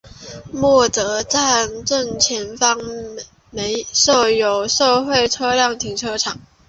默泽站正前方设有社会车辆停车场。